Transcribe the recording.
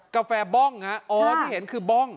กาแฟบ้องฮะอ๋อที่เห็นคือบ้อง